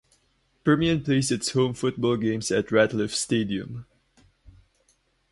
Permian plays its home football games at Ratliff Stadium.